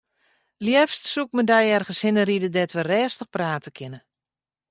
Leafst soe ik mei dy earne hinne ride dêr't wy rêstich prate kinne.